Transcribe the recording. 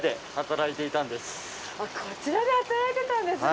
こちらで働いてたんですね。